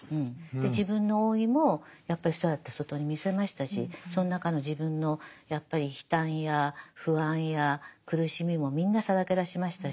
で自分の老いもやっぱりそうやって外に見せましたしその中の自分のやっぱり悲嘆や不安や苦しみもみんなさらけ出しましたし。